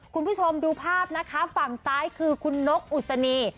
คุณผู้ชมดูภาพนะคะฝั่งซ้ายคือคุณนกอุศนี